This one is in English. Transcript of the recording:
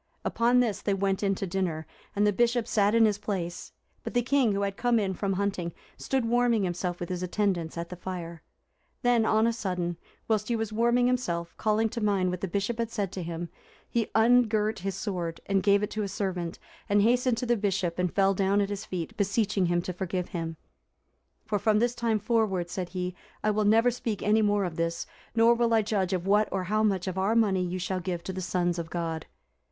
Upon this they went in to dinner, and the Bishop sat in his place; but the king, who had come in from hunting, stood warming himself, with his attendants, at the fire. Then, on a sudden, whilst he was warming himself, calling to mind what the bishop had said to him, he ungirt his sword, and gave it to a servant, and hastened to the Bishop and fell down at his feet, beseeching him to forgive him; "For from this time forward," said he, "I will never speak any more of this, nor will I judge of what or how much of our money you shall give to the sons of God."